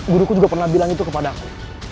guruku juga pernah bilang itu kepadamu